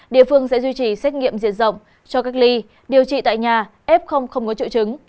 địa phương sẽ duy trì xét nghiệm diện rộng cho cách ly điều trị tại nhà f không không có triệu chứng